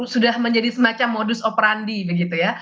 sudah menjadi semacam modus operandi begitu ya